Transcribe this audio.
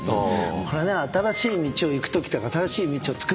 これ新しい道を行くときとか新しい道をつくるときにね